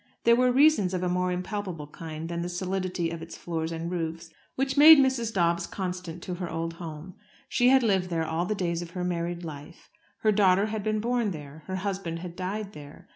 There were reasons of a more impalpable kind than the solidity of its floors and roofs, which made Mrs. Dobbs constant to her old home. She had lived there all the days of her married life. Her daughter had been born there. Her husband had died there.